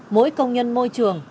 mỗi công nhân môi trường